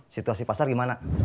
situasi pasar gimana